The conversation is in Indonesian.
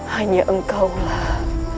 hanya engkau lah